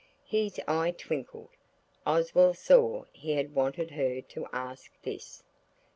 His eye twinkled. Oswald saw he had wanted her to ask this.